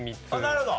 なるほど。